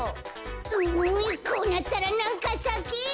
うんこうなったらなんかさけ！